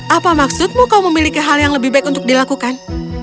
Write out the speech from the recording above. apa maksudmu kau memiliki hal yang lebih baik untuk dilakukan